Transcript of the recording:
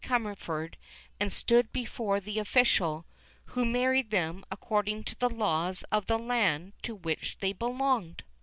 Cammerford and stood before the official, who married them according to the laws of the land to which they belonged.